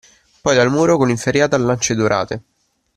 Poi dal muro con l’inferriata a lance dorate.